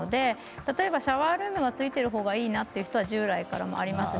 例えば、シャワールームがついている方がいいんだという人は従来からのものもありますし